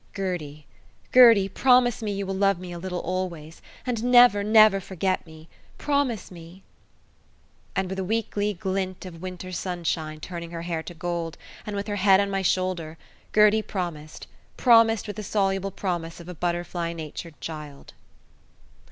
"Gertie, Gertie, promise me you will love me a little always, and never, never forget me. Promise me." And with a weakly glint of winter sunshine turning her hair to gold, and with her head on my shoulder, Gertie promised promised with the soluble promise of a butterfly natured child.